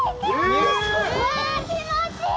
うわ、気持ちいい！